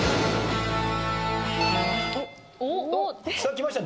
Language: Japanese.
きました。